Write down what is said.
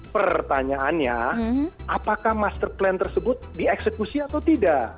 pertanyaannya apakah master plan tersebut dieksekusi atau tidak